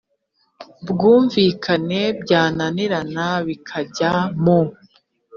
bwumvikane byananirana bikajya mu